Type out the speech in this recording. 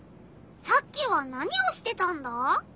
さっきは何をしてたんだ？